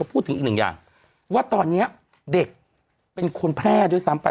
พูดถึงอีกหนึ่งอย่างว่าตอนนี้เด็กเป็นคนแพร่ด้วยซ้ำไป